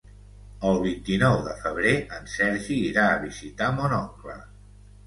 El vint-i-nou de febrer en Sergi irà a visitar mon oncle.